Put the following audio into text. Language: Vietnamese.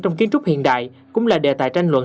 trong kiến trúc hiện đại cũng là đề tài tranh luận